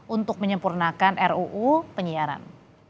untuk menyempurnakan ruu penyiaran